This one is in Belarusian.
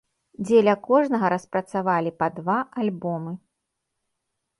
Дзеля кожнага распрацавалі па два альбомы.